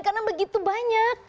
karena begitu banyak